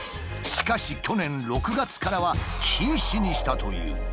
しかし去年６月からは禁止にしたという。